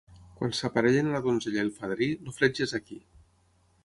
Quan s'aparellen la donzella i el fadrí, el fred ja és aquí.